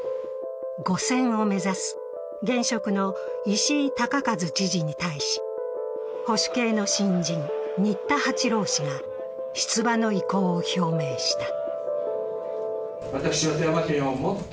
５選を目指す現職の石井隆一知事に対し保守系の新人・新田八朗氏が出馬の意向を表明した。